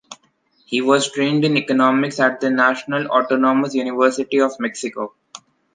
He was trained in Economics at the National Autonomous University of Mexico.